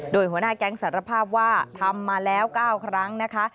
โดยหัวหน้าแก๊งสารภาพว่าทำมาแล้ว๙ครั้งนะคะ